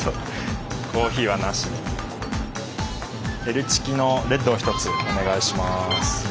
Ｌチキのレッドを１つお願いします。